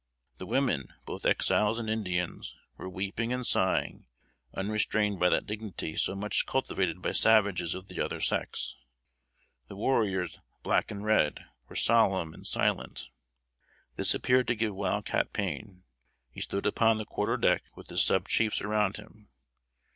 The women both Exiles and Indians were weeping and sighing, unrestrained by that dignity so much cultivated by savages of the other sex. The warriors black and red were solemn and silent. This appeared to give Wild Cat pain. He stood upon the quarter deck with his sub chiefs around him.